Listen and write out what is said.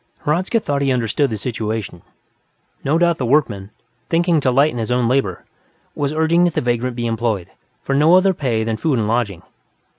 Hradzka thought he understood the situation; no doubt the workman, thinking to lighten his own labor, was urging that the vagrant be employed, for no other pay than food and lodging.